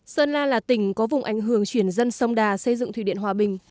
sơn la là tỉnh có vùng ảnh hưởng chuyển dân sông đà xây dựng thủy điện hòa bình